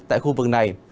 tại khu vực này